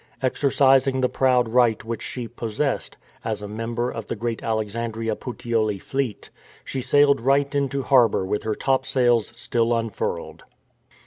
Exercising the proud right which she pos sessed, as a member of the great Alexandria Puteoli fleet, she sailed right into harbour with her topsails still unfurled.